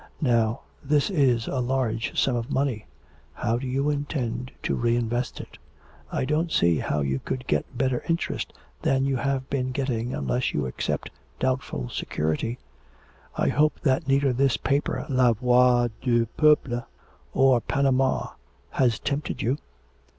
Now, this is a large sum of money. How do you intend to re invest it? I don't see how you could get better interest than you have been getting unless you accept doubtful security. I hope that neither this paper La Voix du Peuple or Panama has tempted you.'